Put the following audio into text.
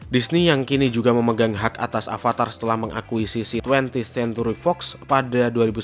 disney yang kini juga memegang hak atas avatar setelah mengakuisisi c dua puluh senturi fox pada dua ribu sembilan belas